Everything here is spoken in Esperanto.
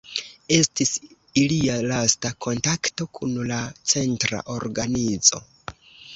Estis ilia lasta kontakto kun la Centra Organizo.